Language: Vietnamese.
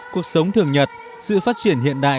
cuộc sống thường nhật sự phát triển hiện đại